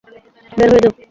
বের হয়ে যাও।